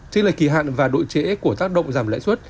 trên lời kỳ hạn và độ trễ của tác động giảm lãi suất